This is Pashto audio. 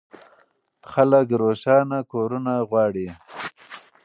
خلک روښانه کورونه غواړي.